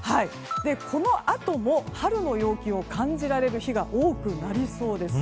このあとも春の陽気を感じられる日が多くなりそうです。